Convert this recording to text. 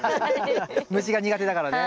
虫が苦手だからね。